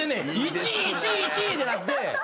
１位１位１位ってなって。